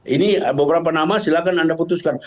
ini beberapa nama silahkan anda putuskan